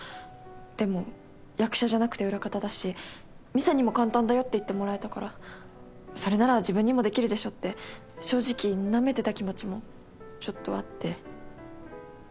でも役者じゃなくて裏方だし美沙にも簡単だよって言ってもらえたからそれなら自分にもできるでしょって正直なめてた気持ちもちょっとあって。